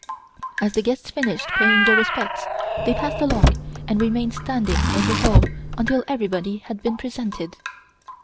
As the guests finished paying their respects they passed along and remained standing in the Hall until everybody had been presented.